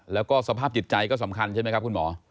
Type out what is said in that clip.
แล้วก็สภาพจิตใจก็สำคัญใช่ไหมครับคุณหมอ